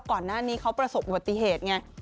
ก่อนหน้านี้เขาประสบอุบัติเหตุไง